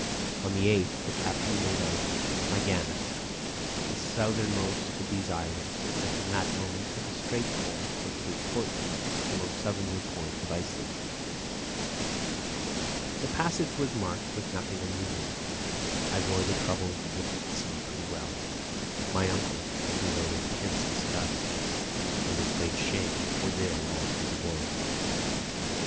On the 8th the captain made out Myganness, the southernmost of these islands, and from that moment took a straight course for Cape Portland, the most southerly point of Iceland. The passage was marked by nothing unusual. I bore the troubles of the sea pretty well; my uncle, to his own intense disgust, and his greater shame, was ill all through the voyage.